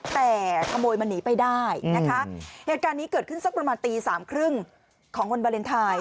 แต่ขโมยมันหนีไปได้นะคะเหตุการณ์นี้เกิดขึ้นสักประมาณตีสามครึ่งของวันวาเลนไทย